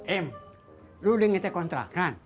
im lu udah ngajak kontra kan